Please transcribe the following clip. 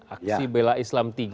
aksi bela islam tiga